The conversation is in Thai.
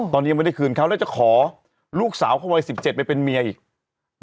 ตอนนี้ยังไม่ได้คืนเขาแล้วจะขอลูกสาวเขาวัย๑๗ไปเป็นเมียอีก